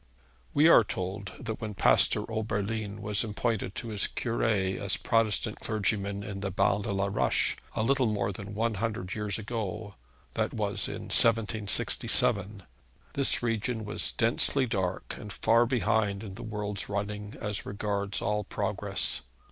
We are told that when Pastor Oberlin was appointed to his cure as Protestant clergyman in the Ban de la Roche a little more than one hundred years ago, that was, in 1767, this region was densely dark and far behind in the world's running as regards all progress.